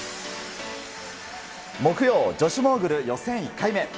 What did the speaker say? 木曜、女子モーグル予選１回目。